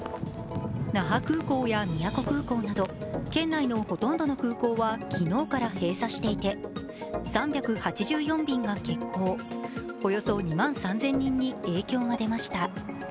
那覇空港や宮古空港など県内のほとんどの空港は昨日から閉鎖していて３８４便が欠航、およそ２万３０００人に影響が出ました。